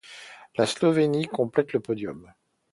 La Slovénie complète le podium.